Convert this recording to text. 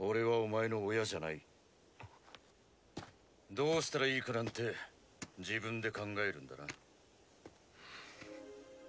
どうしたらいいかなんて自分で考えるんだな。